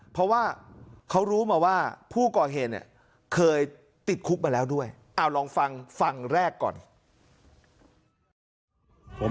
เพราะว่าเขารู้มาว่าผู้ก่อเหตุเนี่ยเคยติดคุกมาแล้วด้วยเอาลองฟังฟังแรกก่อน